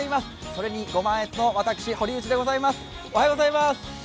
それにご満悦の私、堀内でございます。